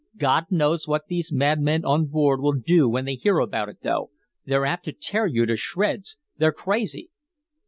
God knows what these madmen on board will do when they hear about it, though. They're apt to tear you to shreds. They're crazy!"